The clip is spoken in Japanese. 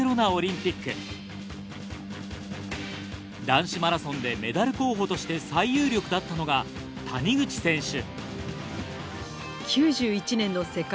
男子マラソンでメダル候補として最有力だったのが谷口選手。